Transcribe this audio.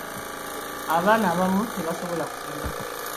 Abaana abamu tebasobola kusoma.